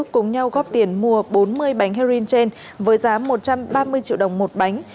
cùng nhau góp tiền mua bốn mươi bánh heroin trên với giá một trăm ba mươi triệu đồng một bánh